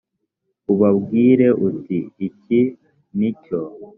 ubabwire uti iki ni cyo